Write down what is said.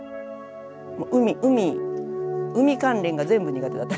海海海関連が全部苦手だった。